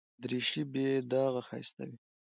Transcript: دریشي بې داغه ښایسته وي.